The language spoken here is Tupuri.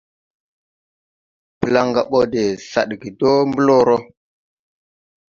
Plaŋga ɓɔ de sadge dɔɔ blɔɔrɔ.